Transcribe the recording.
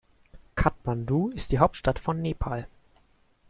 Kathmandu ist die Hauptstadt von Nepal.